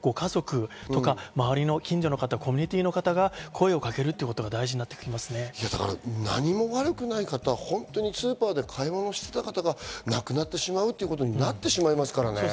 ご家族とか周りの近所の方、コミュニティーの方が声をかける何も悪くない方、スーパーで買い物をしていた方がなくなってしまうということになってしまいますからね。